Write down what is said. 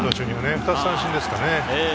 ２つ三振ですかね。